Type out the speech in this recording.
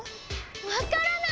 分からない！